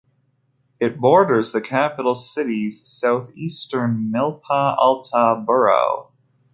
It borders the capital city's southeastern Milpa Alta borough.